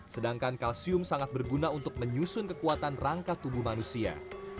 sedangkan kalsium sangat berguna untuk menyusun kekuatan rangka tubuh manusia